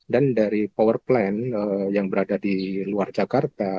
dan dari power plant yang berada di luar jakarta